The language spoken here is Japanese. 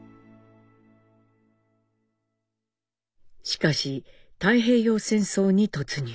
しかし太平洋戦争に突入。